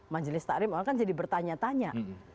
majelis ta'rim awal kan jadi bertanya tanya